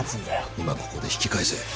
今ここで引き返せ。